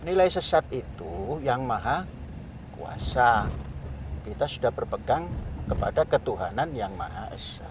nilai sesat itu yang maha kuasa kita sudah berpegang kepada ketuhanan yang maha esa